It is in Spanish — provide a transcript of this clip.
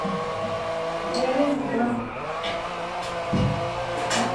Es un importante acceso a la localidad de La Humada.